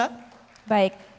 baik dan bapak ibu hari sekalian